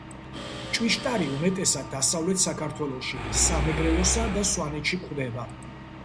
ჭვიშტარი უმეტესად დასავლეთ საქართველოში, სამეგრელოსა და სვანეთში გვხვდება.